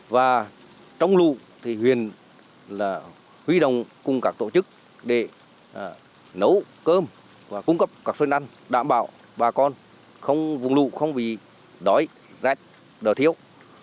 và trong lù thì huyện là huy đồng cùng các tổ chức để nấu cơm và cung cấp các sôi năn đảm bảo bà con không vùng lù không bị đói rét đỡ thiếu